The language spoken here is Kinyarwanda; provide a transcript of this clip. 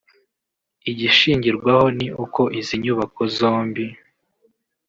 Igishingirwaho ni uko izi nyubako zombi